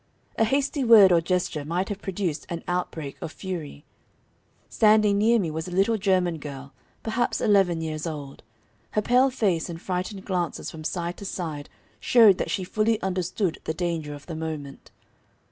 A hasty word or gesture might have produced an outbreak of fury. Standing near me was a little German girl, perhaps eleven years old. Her pale face and frightened glances from side to side showed that she fully understood the danger of the moment.